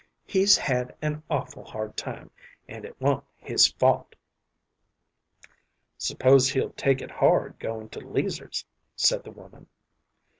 He's had an awful hard time, and it wa'n't his fault." "S'pose he'll take it hard goin' to 'Leazer's," said the woman.